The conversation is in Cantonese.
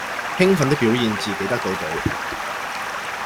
與奮的表現自己得到寶